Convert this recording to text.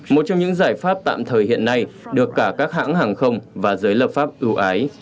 một trong những giải pháp tạm thời hiện nay được cả các hãng hàng không và giới lập pháp ưu ái